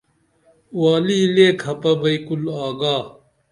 والی لے کھپہ بئی کُل آگا